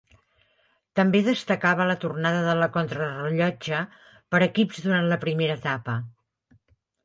També destacava la tornada de la Contrarellotge per equips durant la primera etapa.